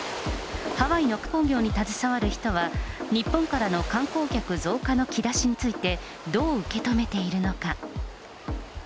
ハワイの観光業に携わる人は、日本からの観光客増加の兆しについて、どう受け止めているのか。